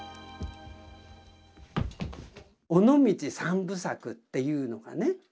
「尾道三部作」っていうのがね